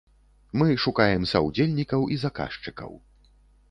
Мы шукаем саўдзельнікаў і заказчыкаў.